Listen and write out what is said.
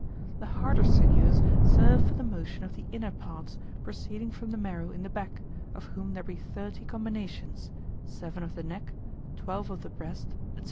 The harder sinews serve for the motion of the inner parts, proceeding from the marrow in the back, of whom there be thirty combinations, seven of the neck, twelve of the breast, &c.